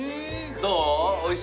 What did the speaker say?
どう？